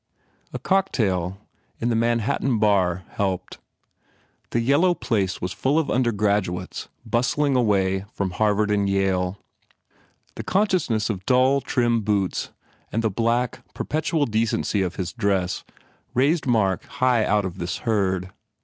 A cocktail in the Manhattan bar helped. The yellow place was full of undergraduates bus tling away from Harvard and Yale. The con 88 PENALTIES sciousness of dull trim boots and the black, per petual decency of his dress raised Mark high out of this herd.